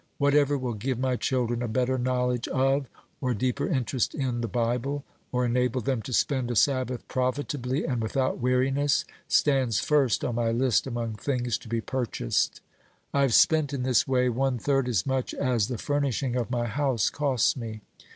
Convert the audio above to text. Whatever will give my children a better knowledge of, or deeper interest in, the Bible, or enable them to spend a Sabbath profitably and without weariness, stands first on my list among things to be purchased. I have spent in this way one third as much as the furnishing of my house costs me."